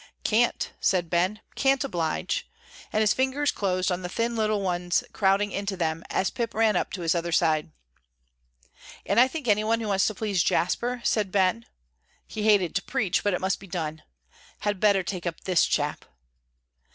"Can't," said Ben, "can't oblige," and his fingers closed on the thin little ones crowding into them, as Pip ran up to his other side. "And I think any one who wants to please Jasper," said Ben, he hated to preach, but it must be done, "had better take up this chap."